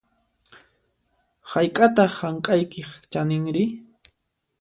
Hayk'ataq hank'aykiq chaninri?